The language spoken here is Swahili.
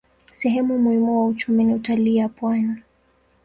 Sehemu muhimu wa uchumi ni utalii ya pwani.